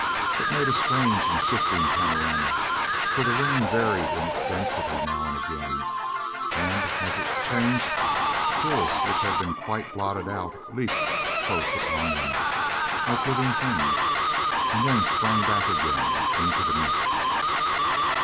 It made a strange and shifting panorama, for the rain varied in its density now and again, and as it changed hills which had been quite blotted out leaped close upon them, like living things, and then sprang back again into the mist.